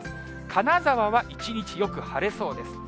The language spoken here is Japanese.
金沢は一日よく晴れそうです。